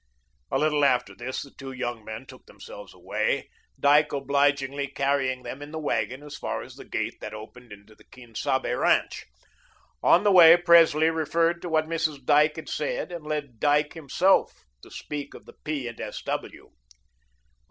A little after this the two young men took themselves away, Dyke obligingly carrying them in the wagon as far as the gate that opened into the Quien Sabe ranch. On the way, Presley referred to what Mrs. Dyke had said and led Dyke, himself, to speak of the P. and S. W.